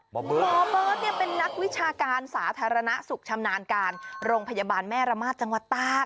หมอเบิร์ตเนี่ยเป็นนักวิชาการสาธารณสุขชำนาญการโรงพยาบาลแม่ระมาทจังหวัดตาก